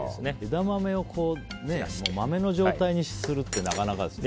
枝豆を豆の状態にするってなかなかですね。